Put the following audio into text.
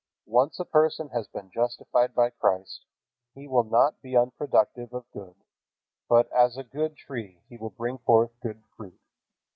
Once a person has been justified by Christ, he will not be unproductive of good, but as a good tree he will bring forth good fruit.